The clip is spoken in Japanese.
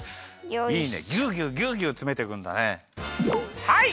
いいねぎゅうぎゅうぎゅうぎゅうつめてくんだね。